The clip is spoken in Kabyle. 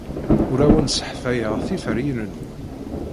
Ur awen-sseḥfayeɣ tiferyin-nwen.